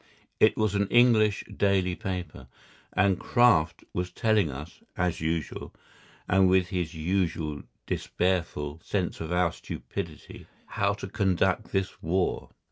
It was an English daily paper, and Kraft was telling us, as usual, and with his usual despairful sense of our stupidity, how to conduct this war.